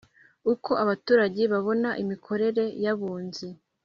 Uko abaturage babona imikorere y abunzi